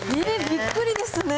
びっくりですね。